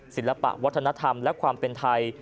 ศิลปะวัฒนธรรมและความเป็นไทย